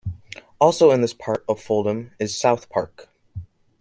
Also in this part of Fulham is South Park.